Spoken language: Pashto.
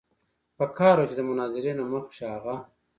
پکار وه چې د مناظرې نه مخکښې هغه